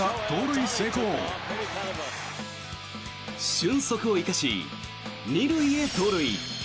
俊足を生かし、２塁へ盗塁。